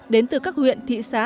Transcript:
đến từ các huyện thị xá